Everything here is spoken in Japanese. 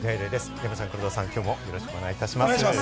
山ちゃん、黒田さん、きょうもよろしくお願いします。